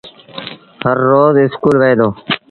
هر روز اسڪُول وهي دو